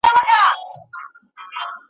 تر ټولو ستره جبهه د فکر